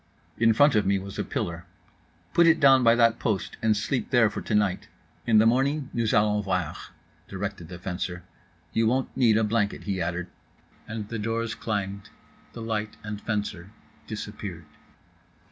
In front of me was a pillar. "Put it down by that post, and sleep there for tonight, in the morning nous allons voir" directed the fencer. "You won't need a blanket," he added; and the doors clanged, the light and fencer disappeared.